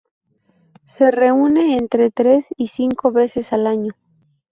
Se reúne entre tres y cinco veces al año.